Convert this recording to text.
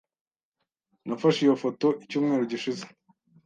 Nafashe iyo foto icyumweru gishize .